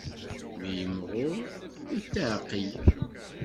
Mi yimɣur, yetɛeqqel.